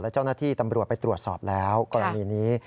เจ้าหน้าที่ตำรวจไปตรวจสอบแล้วกรณีนี้